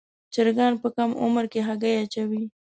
چرګان په کم عمر کې هګۍ اچوي.